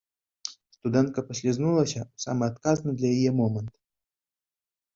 Студэнтка паслізнулася ў самы адказны для яе момант.